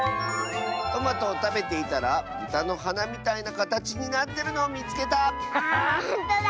「トマトをたべていたらブタのはなみたいなかたちになってるのをみつけた！」。